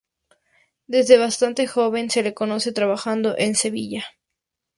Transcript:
Desde bastante joven se le conoce trabajando en Sevilla.